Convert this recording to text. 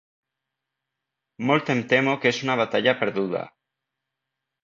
Molt em temo que és una batalla perduda.